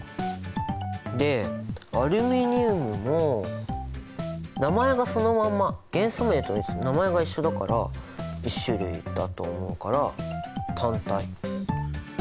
でアルミニウムも名前がそのまんま元素名と名前が一緒だから１種類だと思うから単体。